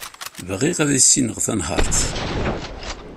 Bɣiɣ ad issineɣ tanhaṛt.